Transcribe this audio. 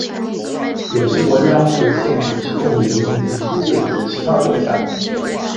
有些国家会限制其公民移民出境至其他国家。